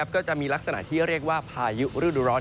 ก็จะมีลักษณะที่เรียกว่าพายุฤดูร้อน